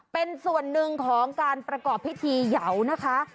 เป็นส่วนหนึ่งของการประกอบพิธีเหยานะคะ